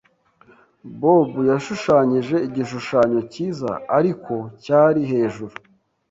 Bob yashushanyije igishushanyo cyiza, ariko cyari hejuru.